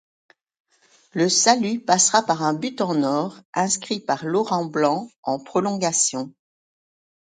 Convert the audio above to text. Le salut passera par un but en or inscrit par Laurent Blanc en prolongations.